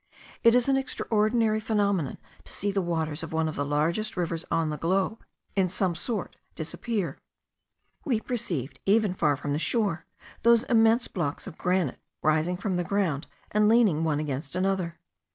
It is an extraordinary phenomenon to see the waters of one of the largest rivers on the globe in some sort disappear. We perceived, even far from the shore, those immense blocks of granite, rising from the ground, and leaning one against another.